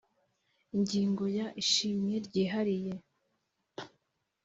Ingingo ya ishimwe ryihariye